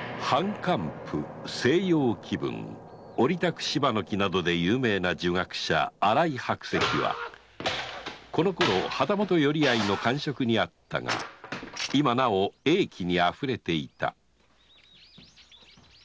「藩翰譜」「西洋紀聞」「折たく柴の記」などで有名な儒学者・新井白石はこのころ旗本寄合の閑職にあったが今なお英気にあふれていた